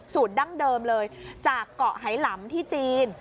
ดั้งเดิมเลยจากเกาะไหลำที่จีน